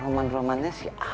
roman romannya sih ah